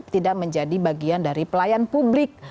tidak menjadi bagian dari pelayan publik